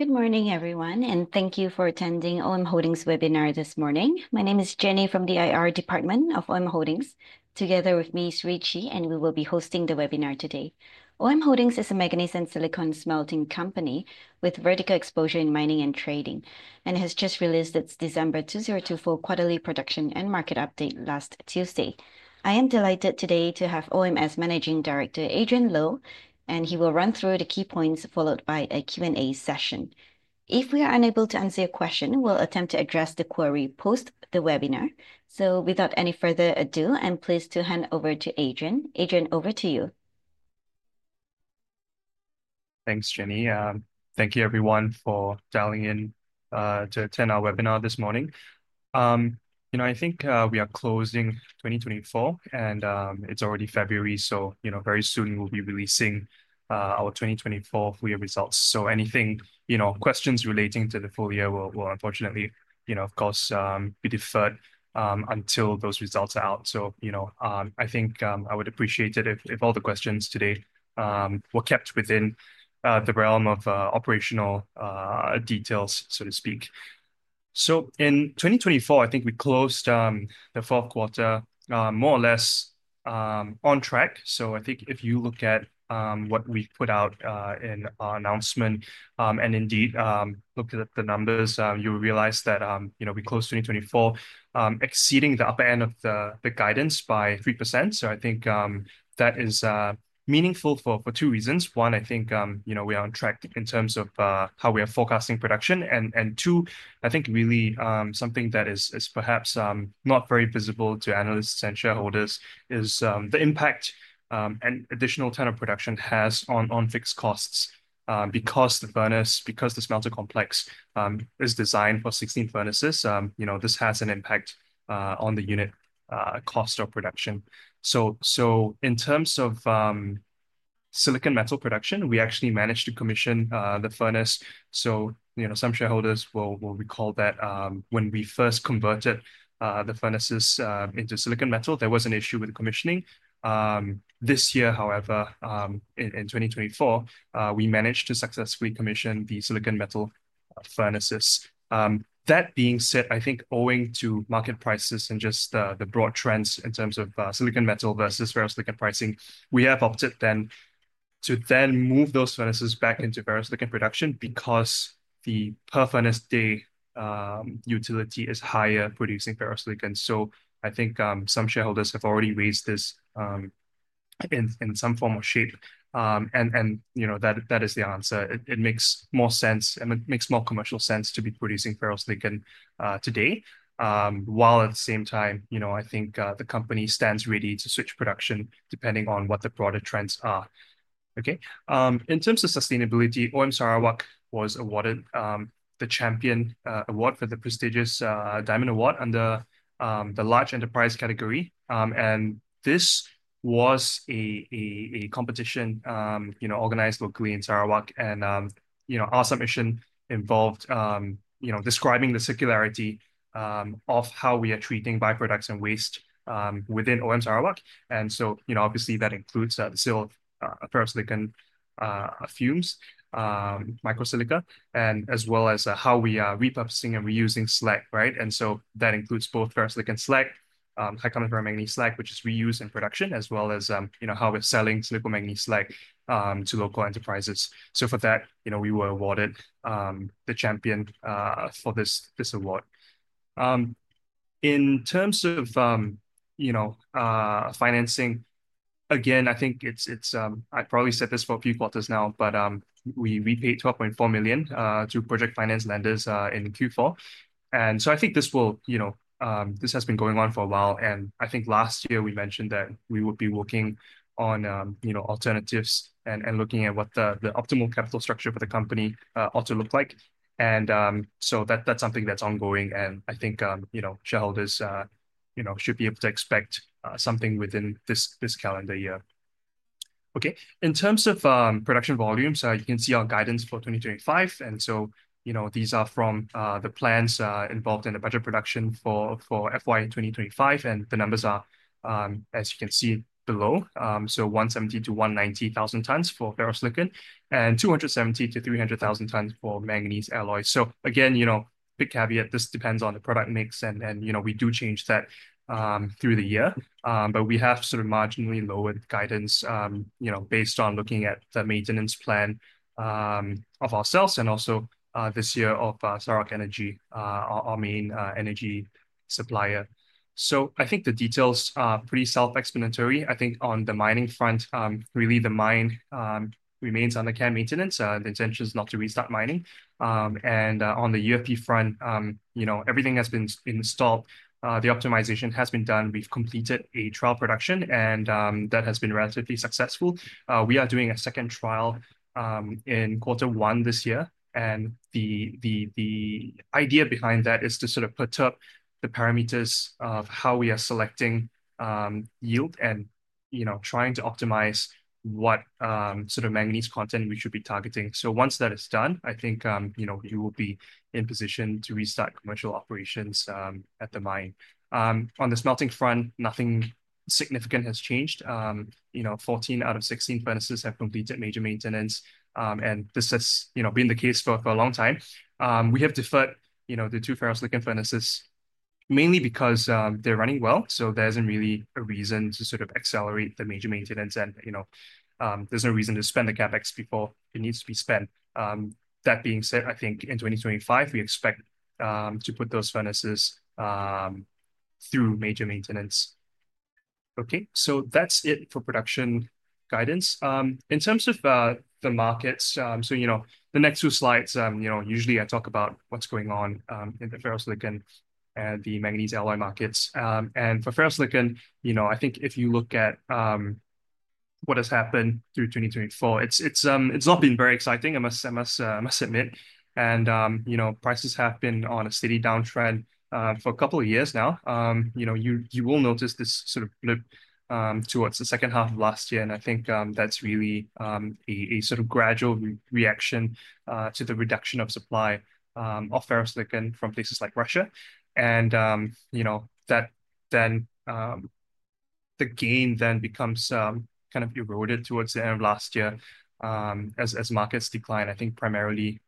Good morning, everyone, and thank you for attending OM Holdings' webinar this morning. My name is Jenny from the IR Department of OM Holdings. Together with me, Lisa Chee, and we will be hosting the webinar today. OM Holdings is a manganese and silicon smelting company with vertical exposure in mining and trading, and has just released its December 2024 quarterly production and market update last Tuesday. I am delighted today to have OM's Managing Director, Adrian Low, and he will run through the key points followed by a Q&A session. If we are unable to answer your question, we'll attempt to address the query post the webinar. So, without any further ado, I'm pleased to hand over to Adrian. Adrian, over to you. Thanks, Jenny. Thank you, everyone, for dialing in to attend our webinar this morning. You know, I think we are closing 2024, and it's already February, so you know, very soon we'll be releasing our 2024 full year results. So anything, you know, questions relating to the full year will unfortunately, you know, of course, be deferred until those results are out. So, you know, I think I would appreciate it if all the questions today were kept within the realm of operational details, so to speak. So in 2024, I think we closed the fourth quarter more or less on track. So I think if you look at what we put out in our announcement, and indeed look at the numbers, you will realize that, you know, we closed 2024 exceeding the upper end of the guidance by 3%. So I think that is meaningful for two reasons. One, I think, you know, we are on track in terms of how we are forecasting production. Two, I think really something that is perhaps not very visible to analysts and shareholders is the impact and additional ton of production has on fixed costs because the furnace, because the smelter complex is designed for 16 furnaces. You know, this has an impact on the unit cost of production. So in terms of silicon metal production, we actually managed to commission the furnace. So, you know, some shareholders will recall that when we first converted the furnaces into silicon metal, there was an issue with commissioning. This year, however, in 2024, we managed to successfully commission the silicon metal furnaces. That being said, I think owing to market prices and just the broad trends in terms of silicon metal versus ferrosilicon pricing, we have opted then to move those furnaces back into ferrosilicon production because the per furnace day utility is higher producing ferrosilicon. So I think some shareholders have already raised this in some form or shape, and, you know, that is the answer. It makes more sense, and it makes more commercial sense to be producing ferrosilicon today, while at the same time, you know, I think the company stands ready to switch production depending on what the broader trends are. Okay. In terms of sustainability, OM Sarawak was awarded the Champion Award for the prestigious Diamond Award under the Large Enterprise category, and this was a competition, you know, organized locally in Sarawak. You know, our submission involved, you know, describing the circularity of how we are treating byproducts and waste within OM Sarawak. So, you know, obviously that includes the silica, ferrosilicon fumes, microsilica, and as well as how we are repurposing and reusing slag, right? So that includes both ferrosilicon slag, high-carbon ferromanganese slag, which is reused in production, as well as, you know, how we're selling silicomanganese slag to local enterprises. For that, you know, we were awarded the Champion for this award. In terms of, you know, financing, again, I think it's I probably said this for a few quarters now, but we paid $12.4 million to project finance lenders in Q4. I think this will, you know, this has been going on for a while. I think last year we mentioned that we would be working on, you know, alternatives and looking at what the optimal capital structure for the company ought to look like. So that's something that's ongoing. I think, you know, shareholders, you know, should be able to expect something within this calendar year. Okay. In terms of production volumes, you can see our guidance for 2025. You know, these are from the plans involved in the budget production for FY 2025. The numbers are, as you can see below, so 170,000-190,000 tons for ferrosilicon and 270,000-300,000 tons for manganese alloy. Again, you know, big caveat, this depends on the product mix. You know, we do change that through the year, but we have sort of marginally lowered guidance, you know, based on looking at the maintenance plan of ourselves and also this year of Sarawak Energy, our main energy supplier. I think the details are pretty self-explanatory. I think on the mining front, really the mine remains under care and maintenance. The intention is not to restart mining. On the UFP front, you know, everything has been installed. The optimization has been done. We've completed a trial production, and that has been relatively successful. We are doing a second trial in quarter one this year. The idea behind that is to sort of put up the parameters of how we are selecting yield and, you know, trying to optimize what sort of manganese content we should be targeting. So once that is done, I think, you know, you will be in position to restart commercial operations at the mine. On the smelting front, nothing significant has changed. You know, 14 out of 16 furnaces have completed major maintenance. And this has, you know, been the case for a long time. We have deferred, you know, the two ferrosilicon furnaces mainly because they're running well. So there isn't really a reason to sort of accelerate the major maintenance. And, you know, there's no reason to spend the CapEx before it needs to be spent. That being said, I think in 2025, we expect to put those furnaces through major maintenance. Okay. So that's it for production guidance. In terms of the markets, so, you know, the next two slides, you know, usually I talk about what's going on in the ferrosilicon and the manganese alloy markets. For ferrosilicon, you know, I think if you look at what has happened through 2024, it's not been very exciting, I must admit. You know, prices have been on a steady downtrend for a couple of years now. You know, you will notice this sort of blip towards the second half of last year. I think that's really a sort of gradual reaction to the reduction of supply of ferrosilicon from places like Russia. You know, that the gain then becomes kind of eroded towards the end of last year as markets decline, I think primarily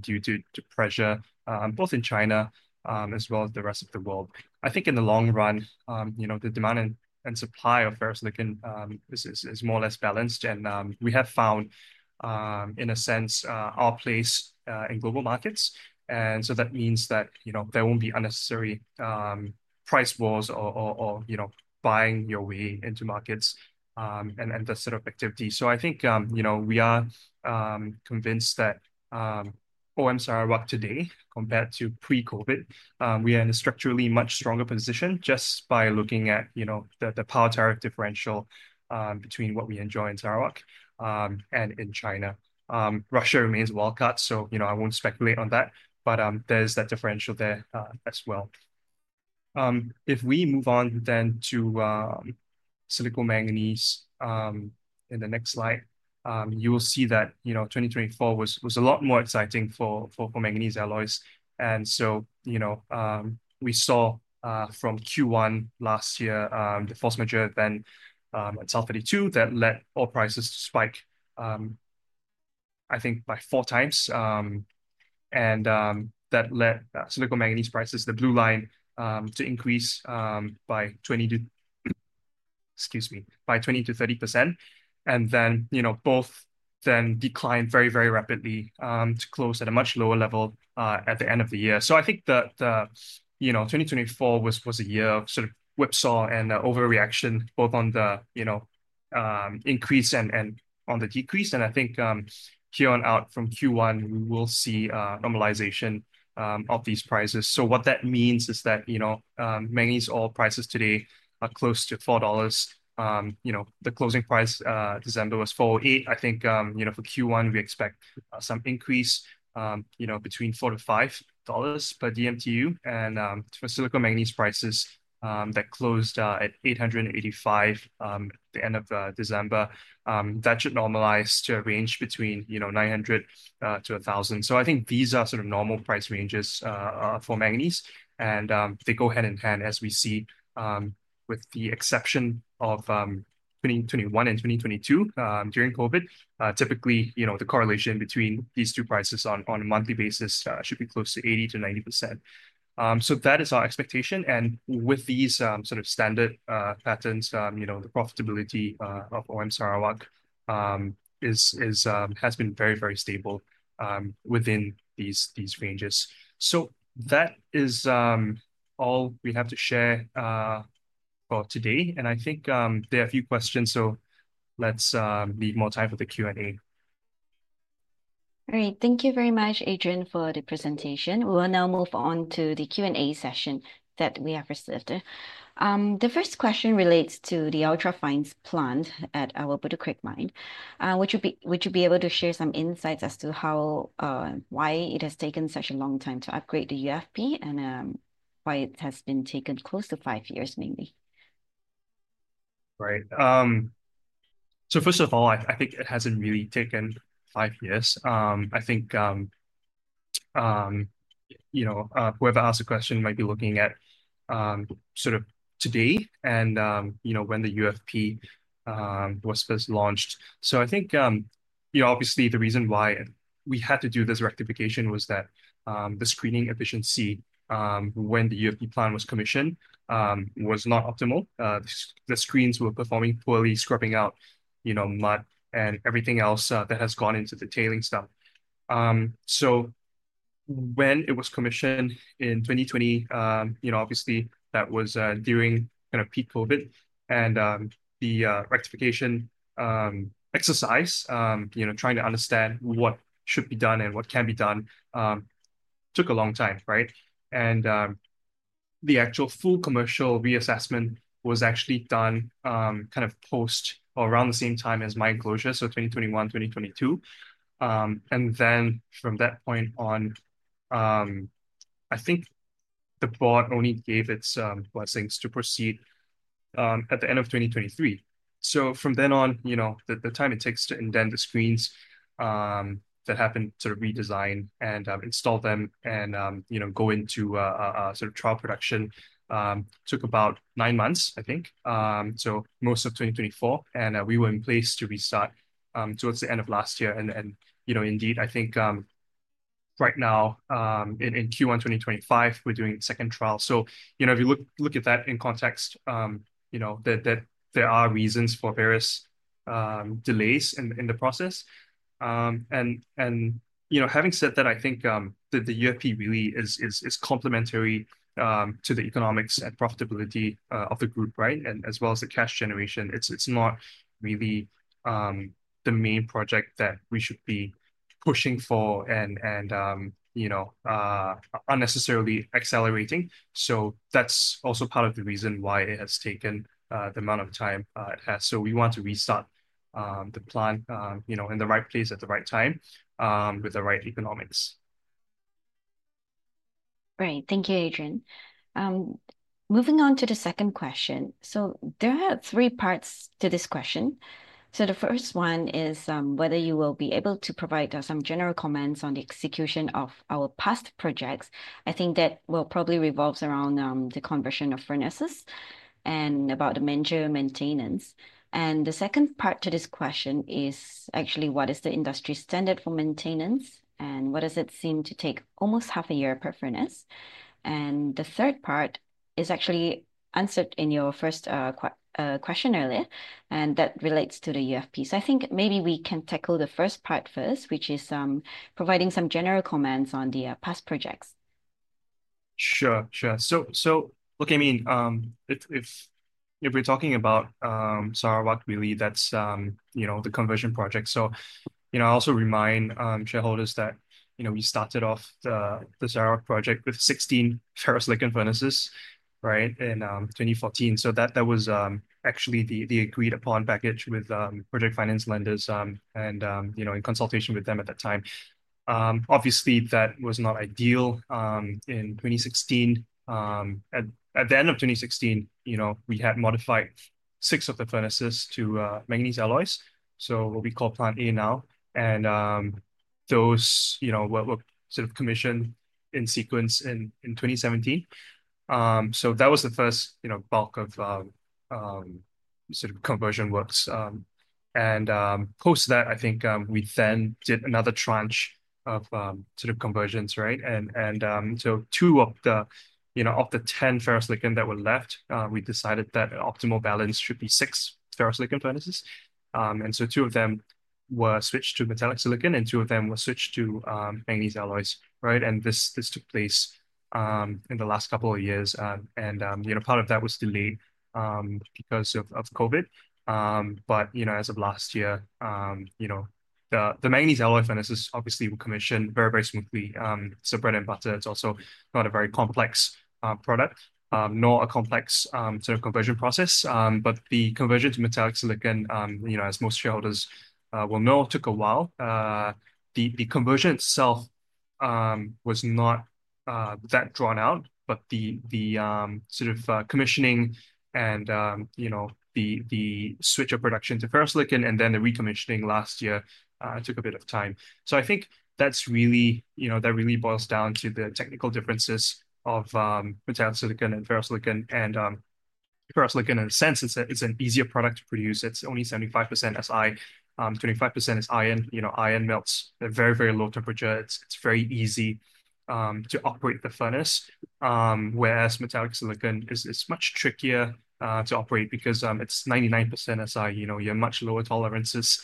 due to pressure both in China as well as the rest of the world. I think in the long run, you know, the demand and supply of ferrosilicon is more or less balanced. We have found, in a sense, our place in global markets. That means that, you know, there won't be unnecessary price wars or, you know, buying your way into markets and the sort of activity. So I think, you know, we are convinced that OM Sarawak today, compared to pre-COVID, we are in a structurally much stronger position just by looking at, you know, the power tariff differential between what we enjoy in Sarawak and in China. Russia remains well cut. So, you know, I won't speculate on that, but there's that differential there as well. If we move on then to silicon manganese in the next slide, you will see that, you know, 2024 was a lot more exciting for manganese alloys. We saw from Q1 last year the force majeure event at South32 that led ore prices to spike, I think, by four times. That led silicon manganese prices, the blue line, to increase by 20%-30%. Excuse me. And then, you know, both then declined very, very rapidly to close at a much lower level at the end of the year. I think the, you know, 2024 was a year of sort of whipsaw and overreaction both on the, you know, increase and on the decrease. I think here on out from Q1, we will see normalization of these prices. What that means is that, you know, manganese ore prices today are close to $4. You know, the closing price December was $4.08. I think, you know, for Q1, we expect some increase, you know, between $4-$5. But DMTU and for silicon manganese prices that closed at $885 at the end of December, that should normalize to a range between, you know, $900-$1,000. So I think these are sort of normal price ranges for manganese. And they go hand in hand, as we see with the exception of 2021 and 2022 during COVID. Typically, you know, the correlation between these two prices on a monthly basis should be close to 80%-90%. So that is our expectation. And with these sort of standard patterns, you know, the profitability of OM Sarawak has been very, very stable within these ranges. So that is all we have to share for today. And I think there are a few questions. So let's leave more time for the Q&A. All right. Thank you very much, Adrian, for the presentation. We will now move on to the Q&A session that we have received. The first question relates to the ultra-fines plant at our Bootu Creek Mine, which would be able to share some insights as to how and why it has taken such a long time to upgrade the UFP and why it has been taken close to five years, mainly. Right. So first of all, I think it hasn't really taken five years. I think, you know, whoever asked the question might be looking at sort of today and, you know, when the UFP was first launched. So I think, you know, obviously the reason why we had to do this rectification was that the screening efficiency when the UFP plant was commissioned was not optimal. The screens were performing poorly, scrubbing out, you know, mud and everything else that has gone into the tailing stuff. So when it was commissioned in 2020, you know, obviously that was during kind of peak COVID. And the rectification exercise, you know, trying to understand what should be done and what can be done took a long time, right? And the actual full commercial reassessment was actually done kind of post or around the same time as mine closure, so 2021, 2022. And then from that point on, I think the board only gave its blessings to proceed at the end of 2023. So from then on, you know, the time it takes to indent the screens that had to be redesigned and install them and, you know, go into sort of trial production took about nine months, I think, so most of 2024. And we were in place to restart towards the end of last year. And, you know, indeed, I think right now in Q1 2025, we're doing second trial. So, you know, if you look at that in context, you know, that there are reasons for various delays in the process. And, you know, having said that, I think that the UFP really is complementary to the economics and profitability of the group, right? And as well as the cash generation. It's not really the main project that we should be pushing for and, you know, unnecessarily accelerating. So that's also part of the reason why it has taken the amount of time it has. So we want to restart the plant, you know, in the right place at the right time with the right economics. All right. Thank you, Adrian. Moving on to the second question. So there are three parts to this question. So the first one is whether you will be able to provide us some general comments on the execution of our past projects. I think that will probably revolve around the conversion of furnaces and about the major maintenance. And the second part to this question is actually what is the industry standard for maintenance and what does it seem to take almost half a year per furnace? And the third part is actually answered in your first question earlier, and that relates to the UFP. So I think maybe we can tackle the first part first, which is providing some general comments on the past projects. Sure, sure. So, look, I mean, if we're talking about Sarawak, really, that's, you know, the conversion project. So, you know, I also remind shareholders that, you know, we started off the Sarawak project with 16 ferrosilicon furnaces, right, in 2014. So that was actually the agreed-upon package with project finance lenders and, you know, in consultation with them at that time. Obviously, that was not ideal in 2016. At the end of 2016, you know, we had modified six of the furnaces to manganese alloys, so what we call Plant A now. And those, you know, were sort of commissioned in sequence in 2017. So that was the first, you know, bulk of sort of conversion works. And post that, I think we then did another tranche of sort of conversions, right? And so two of the, you know, of the 10 ferrosilicon that were left, we decided that optimal balance should be six ferrosilicon furnaces. And so two of them were switched to metallic silicon and two of them were switched to manganese alloys, right? And this took place in the last couple of years. And, you know, part of that was delayed because of COVID. But, you know, as of last year, you know, the manganese alloy furnaces obviously were commissioned very, very smoothly. So bread and butter, it's also not a very complex product, nor a complex sort of conversion process. But the conversion to metallic silicon, you know, as most shareholders will know, took a while. The conversion itself was not that drawn out, but the sort of commissioning and, you know, the switch of production to ferrosilicon and then the recommissioning last year took a bit of time, so I think that's really, you know, that really boils down to the technical differences of metallic silicon and ferrosilicon, and ferrosilicon, in a sense, it's an easier product to produce. It's only 75% Si, 25% is iron. You know, iron melts at very, very low temperature. It's very easy to operate the furnace, whereas metallic silicon is much trickier to operate because it's 99% Si. You know, you have much lower tolerances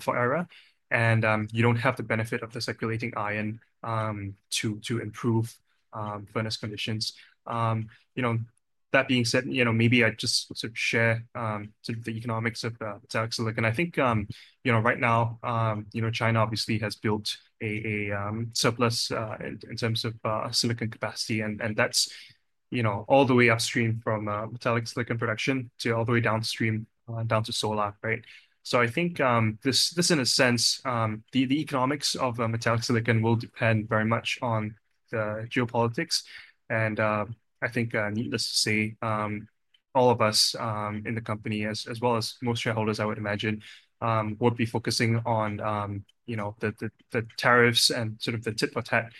for error, and you don't have the benefit of the circulating iron to improve furnace conditions. You know, that being said, you know, maybe I just sort of share the economics of metallic silicon. I think, you know, right now, you know, China obviously has built a surplus in terms of silicon capacity. And that's, you know, all the way upstream from metallic silicon production to all the way downstream down to solar, right? So I think this, in a sense, the economics of metallic silicon will depend very much on the geopolitics. And I think needless to say, all of us in the company, as well as most shareholders, I would imagine, will be focusing on, you know, the tariffs and sort of the tit for tat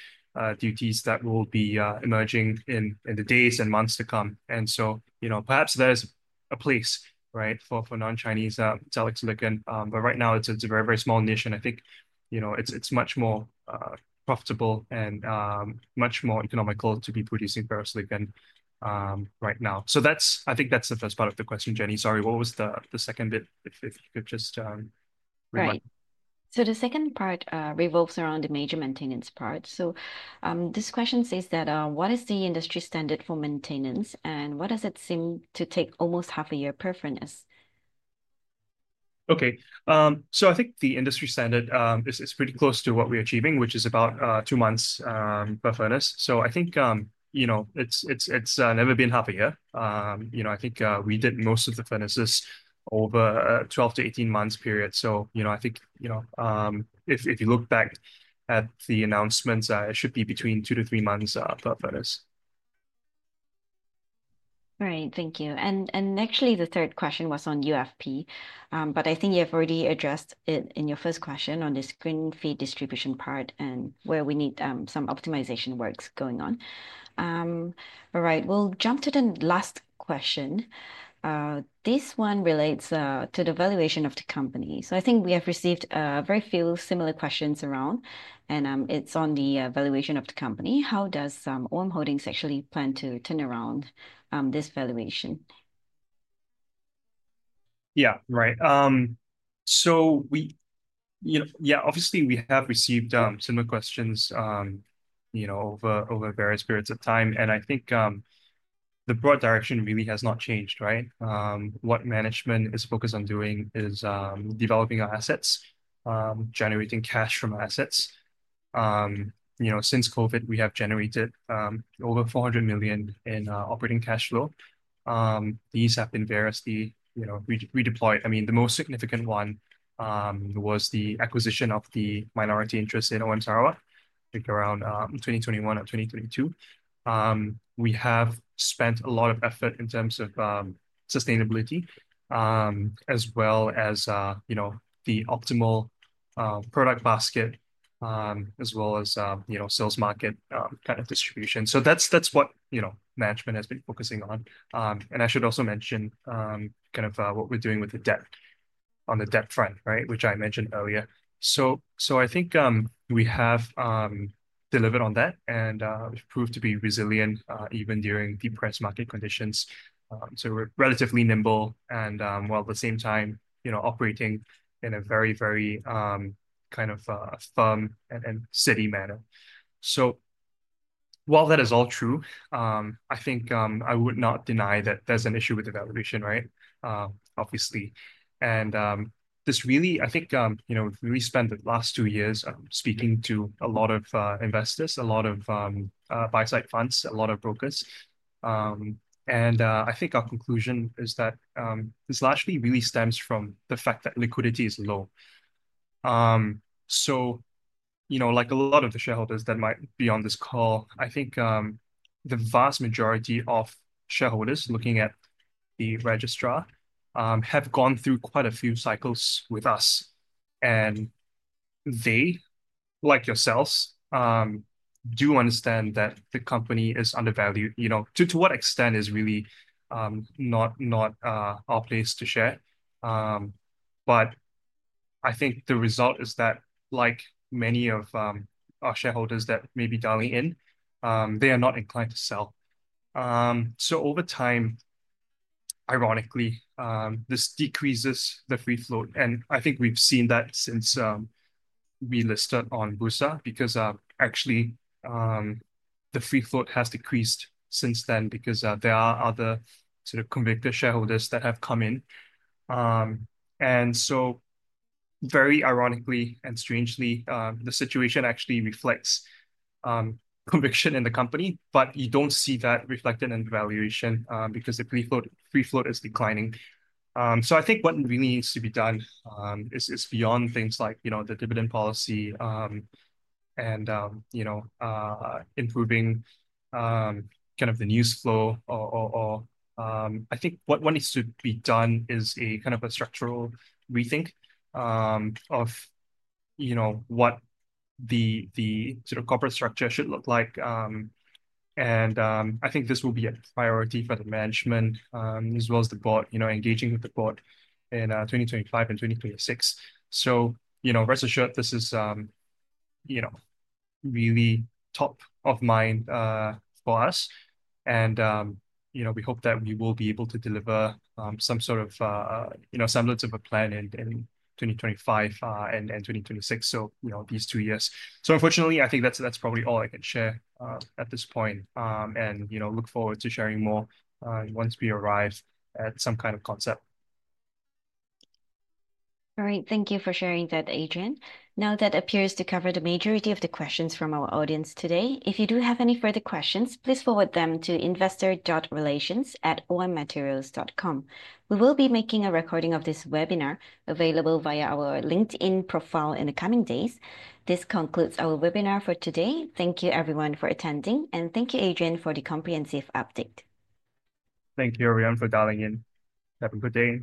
duties that will be emerging in the days and months to come. And so, you know, perhaps there's a place, right, for non-Chinese metallic silicon. But right now, it's a very, very small niche. I think, you know, it's much more profitable and much more economical to be producing ferrosilicon right now. That's, I think, the first part of the question, Jenny. Sorry, what was the second bit? If you could just rewind. The second part revolves around the major maintenance part. This question says that what is the industry standard for maintenance and what does it seem to take almost half a year per furnace? Okay. So I think the industry standard is pretty close to what we're achieving, which is about two months per furnace. So I think, you know, it's never been half a year. You know, I think we did most of the furnaces over a 12 to 18 months period. So, you know, I think, you know, if you look back at the announcements, it should be between two to three months per furnace. All right. Thank you. And actually, the third question was on UFP, but I think you have already addressed it in your first question on the screen feed distribution part and where we need some optimization works going on. All right. We'll jump to the last question. This one relates to the valuation of the company. So I think we have received very few similar questions around, and it's on the valuation of the company. How does OM Holdings actually plan to turn around this valuation? Yeah, right. So we, you know, yeah, obviously we have received similar questions, you know, over various periods of time. And I think the broad direction really has not changed, right? What management is focused on doing is developing our assets, generating cash from our assets. You know, since COVID, we have generated over $400 million in operating cash flow. These have been variously redeployed. I mean, the most significant one was the acquisition of the minority interest in OM Sarawak around 2021 and 2022. We have spent a lot of effort in terms of sustainability as well as, you know, the optimal product basket as well as, you know, sales market kind of distribution. So that's what, you know, management has been focusing on. And I should also mention kind of what we're doing with the debt on the debt front, right, which I mentioned earlier. So I think we have delivered on that and we've proved to be resilient even during depressed market conditions. So we're relatively nimble and, while at the same time, you know, operating in a very, very kind of firm and steady manner. So while that is all true, I think I would not deny that there's an issue with the valuation, right? Obviously. And this really, I think, you know, we spent the last two years speaking to a lot of investors, a lot of buy-side funds, a lot of brokers. And I think our conclusion is that this largely really stems from the fact that liquidity is low. So, you know, like a lot of the shareholders that might be on this call, I think the vast majority of shareholders looking at the registrar have gone through quite a few cycles with us. They, like yourselves, do understand that the company is undervalued. You know, to what extent is really not our place to share. But I think the result is that, like many of our shareholders that may be dialing in, they are not inclined to sell. So over time, ironically, this decreases the free float. And I think we've seen that since we listed on Bursa because actually the free float has decreased since then because there are other sort of convicted shareholders that have come in. And so very ironically and strangely, the situation actually reflects conviction in the company, but you don't see that reflected in valuation because the free float is declining. So I think what really needs to be done is beyond things like, you know, the dividend policy and, you know, improving kind of the news flow. I think what needs to be done is a kind of a structural rethink of, you know, what the sort of corporate structure should look like, and I think this will be a priority for the management as well as the board, you know, engaging with the board in 2025 and 2026, so you know, rest assured, this is, you know, really top of mind for us, and you know, we hope that we will be able to deliver some sort of, you know, semblance of a plan in 2025 and 2026, so you know, these two years, so unfortunately, I think that's probably all I can share at this point, and you know, look forward to sharing more once we arrive at some kind of concept. All right. Thank you for sharing that, Adrian. Now that appears to cover the majority of the questions from our audience today. If you do have any further questions, please forward them to investor.relations@ommaterials.com. We will be making a recording of this webinar available via our LinkedIn profile in the coming days. This concludes our webinar for today. Thank you, everyone, for attending, and thank you, Adrian, for the comprehensive update. Thank you, everyone, for dialing in. Have a good day.